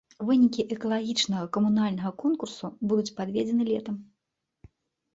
Вынікі экалагічна-камунальнага конкурсу будуць падведзены летам.